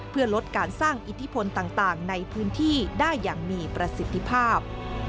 เพื่อลดการสร้างอิทธิพลต่างในพื้นที่ได้อย่างมีประสิทธิภาพ